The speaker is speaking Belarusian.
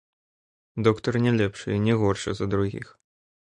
Доктар не лепшы і не горшы за другіх.